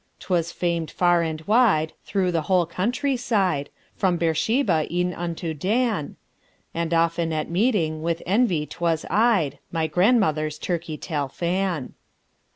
'Twas famed far and wide through the whole countryside, From Beersheba e'en unto Dan; And often at meeting with envy 'twas eyed, My grandmother's turkey tail fan.